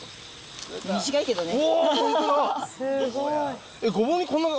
短いけどね。